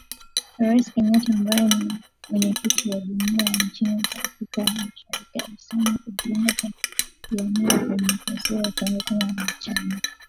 Rais Kenyatta ambaye ni Mwenyekiti wa jumuhiya za inchi za Afrika ya Mashariki alisema kujiunga kwa Jamuhuri ya kidemokrasia ya Kongo kama mwanachama